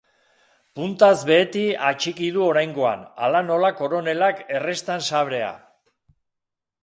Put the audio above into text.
Puntaz beheti atxiki du oraingoan, hala nola koronelak herrestan sabrea.